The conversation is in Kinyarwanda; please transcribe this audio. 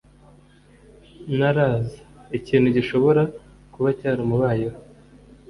Ntaraza. Ikintu gishobora kuba cyaramubayeho.